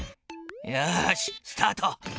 よしスタート。